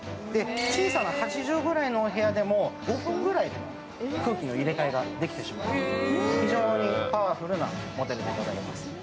小さな８畳ぐらいのお部屋でも５分ぐらいで空気の入れ替えができてしまう非常にパワフルなモデルでございます。